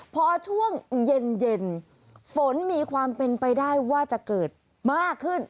พอช่วงเย็นฝนมีความเป็นไปได้ว่าจะเกิดมากขึ้น